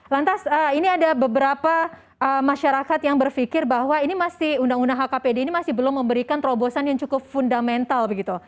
lantas ini ada beberapa masyarakat yang berpikir bahwa ini masih undang undang hkpd ini masih belum memberikan terobosan yang cukup fundamental begitu